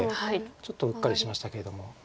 ちょっとうっかりしましたけれども。